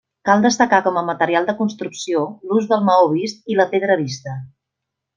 Cal destacar com a material de construcció l'ús del maó vist i la pedra vista.